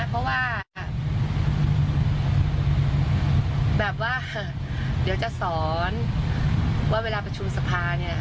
เพราะว่าแบบว่าเดี๋ยวจะสอนว่าเวลาประชุมสภาเนี่ย